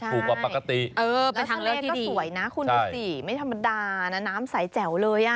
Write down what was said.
ถูกกว่าปกติแล้วทะเลก็สวยนะคุณพี่สิไม่ธรรมดานะน้ำใสแจ๋วเลย